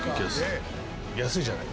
「安い」じゃない。